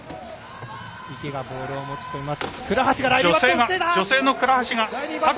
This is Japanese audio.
池がボールを持ち込みます。